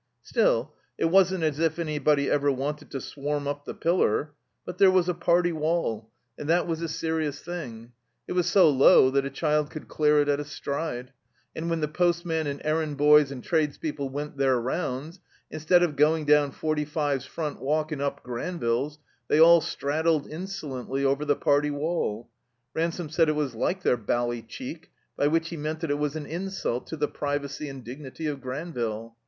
Still it wasn't as if anybody ever wanted to swarm up the pillar. But there was a party wall, and that was a 146 THE COMBINED MAZE serious thing. It was so low that a child cottld dear it at a stride. And when the postman and errand bojrs and tradespeople went their rotinds, instead of going down Forty five's front walk and up Granville's, they all straddled insolently over the party wall. Rgmsome said it was ''like their bally chedc," by which he meant that it was an insult to the privacy and dignity of Granville.